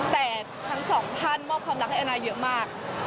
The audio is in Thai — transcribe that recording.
แต่ทั้งสองท่านมอบความรักให้แอนนาเยอะมาก